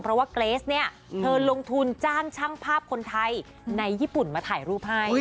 เพราะว่าเกรสเนี่ยเธอลงทุนจ้างช่างภาพคนไทยในญี่ปุ่นมาถ่ายรูปให้